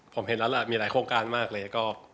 ผมเห็นแล้วล่ะมีหลายโครงการมากเลย